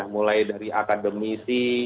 mulai dari akademisi